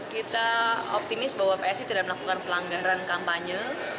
kita optimis bahwa psi tidak melakukan pelanggaran kampanye